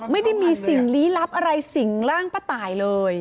ไม่ได้มีสิ่งลี้ลับอะไรสิ่งร่างป้าตายเลย